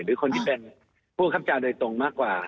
หรือคนที่เป็นผู้คับจาโดยตรงมากกว่า